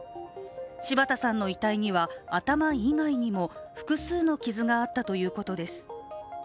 柴田さんの遺体には頭以外にも複数の傷があったということです。